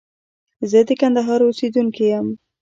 زه د کندهار اوسيدونکي يم.